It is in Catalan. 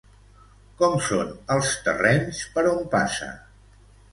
Com són els terrenys per on passa?